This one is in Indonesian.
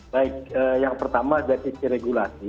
baik yang pertama jadinya keregulasi